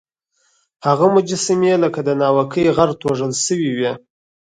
هغه مجسمې لکه د ناوکۍ غر توږل سوی وې.